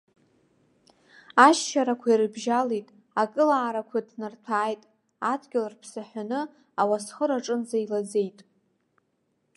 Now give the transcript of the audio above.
Ашьшьарақәа ирыбжьалеит, акылаарақәа ҭнарҭәааит, адгьыл рԥсаҳәаны ауасхыр аҿынӡа илаӡеит.